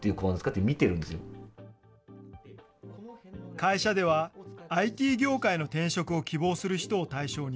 会社では、ＩＴ業界への転職を希望する人を対象に、